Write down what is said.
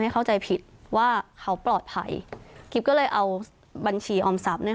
เข้าใจผิดว่าเขาปลอดภัยกิ๊บก็เลยเอาบัญชีออมทรัพย์